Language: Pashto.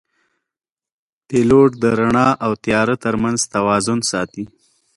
پیلوټ د رڼا او تیاره ترمنځ توازن ساتي.